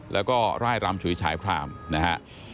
แล้วก็ร่ายรำฉุยฉายพรามนะฮะ